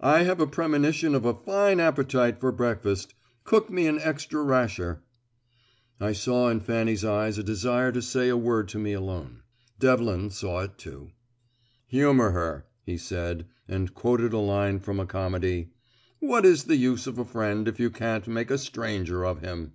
I have a premonition of a fine appetite for breakfast; cook me an extra rasher." I saw in Fanny's eyes a desire to say a word to me alone. Devlin saw it too. "Humour her," he said, and quoted a line from a comedy. "What is the use of a friend if you can't make a stranger of him?"